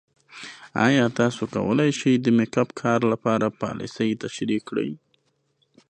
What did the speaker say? ایا تاسو کولی شئ د میک اپ کار لپاره پالیسۍ تشریح کړئ؟